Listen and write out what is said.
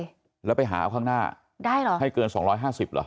มันต้องไปหาข้างหน้าให้เกิน๒๕๐หรอ